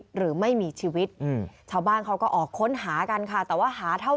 หรือไม่มีชีวิตชาวบ้านเขาก็ออกค้นหากันค่ะแต่ว่าหาเท่า